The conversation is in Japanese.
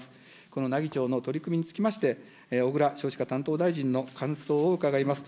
この奈義町の取り組みにつきまして、小倉少子化担当大臣の感想を伺います。